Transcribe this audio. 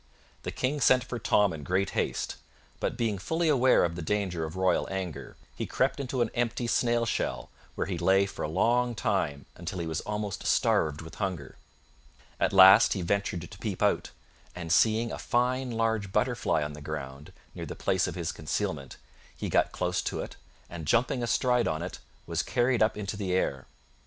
The King sent for Tom in great haste, but being fully aware of the danger of royal anger, he crept into an empty snail shell, where he lay for a long time until he was almost starved with hunger; at last he ventured to peep out, and seeing a fine large butterfly on the ground, near the place of his concealment, he got close to it and jumping astride on it was carried up into the, air.